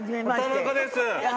田中です。